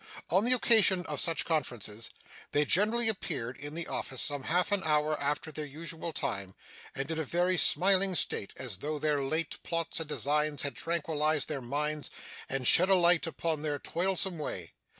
On the occasion of such conferences, they generally appeared in the office some half an hour after their usual time, and in a very smiling state, as though their late plots and designs had tranquillised their minds and shed a light upon their toilsome way.